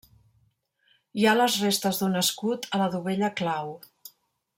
Hi ha les restes d'un escut a la dovella clau.